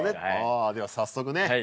では早速ね